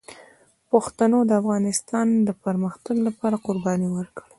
پښتنو د افغانستان د پرمختګ لپاره قربانۍ ورکړي.